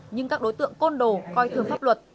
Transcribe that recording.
nhưng các đối tượng côn đồ coi thường pháp luật